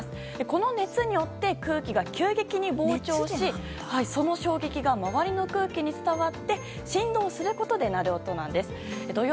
この熱によって空気が急激に膨張しその衝撃が周りの空気に伝わって振動することで鳴る音なんです。